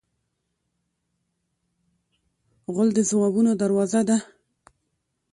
غول د ځوابونو دروازه ده.